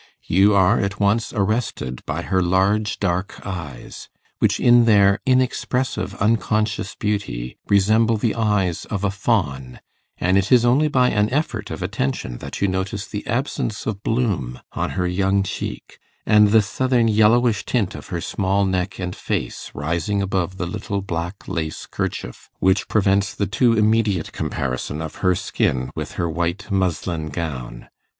You are at once arrested by her large dark eyes, which, in their inexpressive unconscious beauty, resemble the eyes of a fawn, and it is only by an effort of attention that you notice the absence of bloom on her young cheek, and the southern yellowish tint of her small neck and face, rising above the little black lace kerchief which prevents the too immediate comparison of her skin with her white muslin gown.